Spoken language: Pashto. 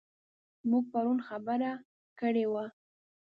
موږ پرون خبره کړې وه.